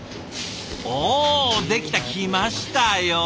おできた！来ましたよ！